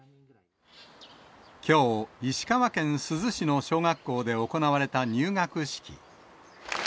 きょう、石川県珠洲市の小学校で行われた入学式。